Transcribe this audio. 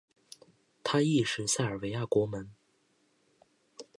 他亦是塞尔维亚国门。